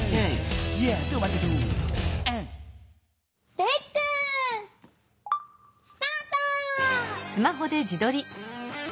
レックスタート！